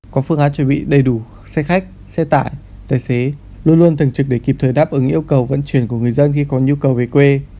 có phương án chuẩn bị đầy đủ xe khách xe tải tài xế luôn luôn thường trực để kịp thời đáp ứng yêu cầu vận chuyển của người dân khi có nhu cầu về quê